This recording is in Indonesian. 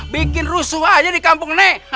bikin rusuh aja di kampung ini